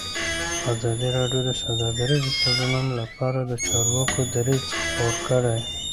ازادي راډیو د سوداګریز تړونونه لپاره د چارواکو دریځ خپور کړی.